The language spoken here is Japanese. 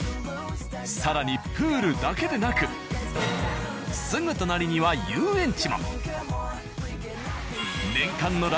更にプールだけでなくすぐ隣には遊園地も。